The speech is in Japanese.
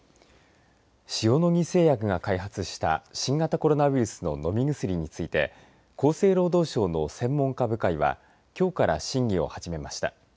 塩野義製薬が開発した新型コロナウイルスの飲み薬について厚生労働省の専門家部会はきょうから審議を始めました。